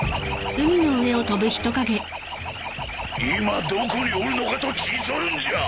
今どこにおるのかと聞いちょるんじゃ！